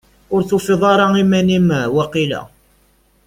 Ur tufiḍ ara iman-im, waqila?